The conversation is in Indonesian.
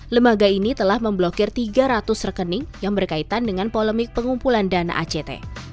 lembaga ini telah memblokir tiga ratus rekening yang berkaitan dengan polemik pengumpulan dana act